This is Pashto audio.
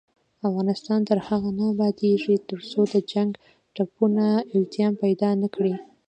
افغانستان تر هغو نه ابادیږي، ترڅو د جنګ ټپونه التیام پیدا نکړي.